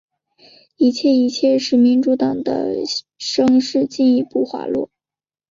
一切一切使民主党的声势进一步滑落。